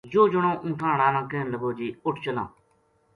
یوہ جنو اونٹھاں ہاڑا نا کہن لگو جی اُٹھ چلاں